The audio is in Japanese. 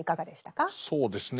そうですね。